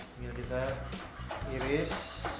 tinggal kita miris